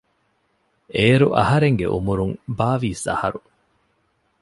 އޭރު އަހަރެންގެ އުމުރުން ބާވީސް އަހަރު